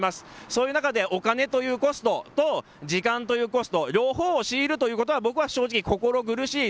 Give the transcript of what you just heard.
そういう中でお金というコストと時間というコスト、両方を強いるということはぼくは正直心苦しい。